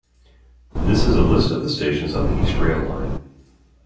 This is a list of the stations on the East Rail Line.